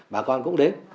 bà con cũng đến